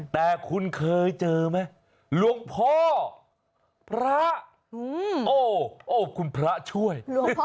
แต่คุณเคยเจอไหมหลวงพ่อพระโอ้คุณพระช่วย